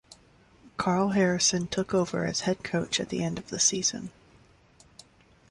Karl Harrison took over as head coach at the end of the season.